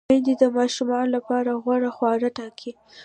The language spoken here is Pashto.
میندې د ماشومانو لپاره غوره خواړه ټاکي۔